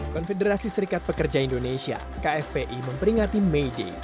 konfederasi serikat pekerja indonesia kspi memperingati may day